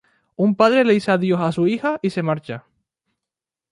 Un padre le dice adiós a su hija y se marcha.